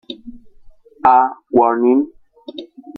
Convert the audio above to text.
A warning".